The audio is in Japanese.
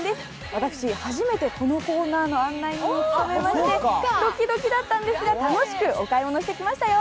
私、初めてこのコーナーの案内人を務めまして、ドキドキだったんですが、楽しくお買い物してきましたよ。